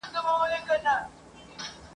نه یم په مالت کي اشیانې راپسي مه ګوره !.